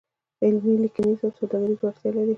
علمي، لیکنیز او سوداګریز وړتیا لري.